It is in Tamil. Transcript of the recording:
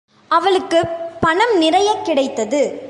அவளுக்குப் பணம் நிறையக் கிடைத்தது.